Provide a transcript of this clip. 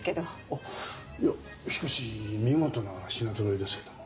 いやしかし見事な品ぞろえですけども。